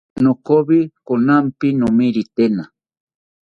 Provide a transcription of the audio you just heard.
Nokoyi kamanpi nomiritena